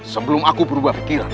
sebelum aku berubah pikiran